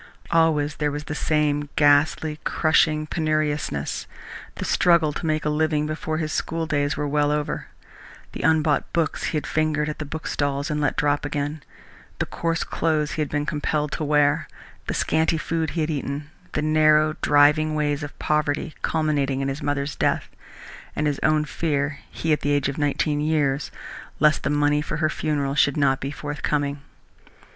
Always there was the same ghastly, crushing penuriousness, the struggle to make a living before his schooldays were well over, the unbought books he had fingered at the bookstalls and let drop again, the coarse clothes he had been compelled to wear, the scanty food he had eaten, the narrow, driving ways of poverty, culminating in his mother's death and his own fear he, at the age of nineteen years lest the money for her funeral should not be forthcoming.